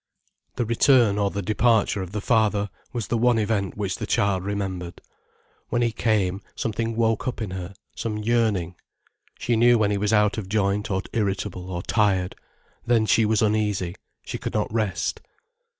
The return or the departure of the father was the one event which the child remembered. When he came, something woke up in her, some yearning. She knew when he was out of joint or irritable or tired: then she was uneasy, she could not rest.